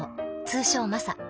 通称マサ。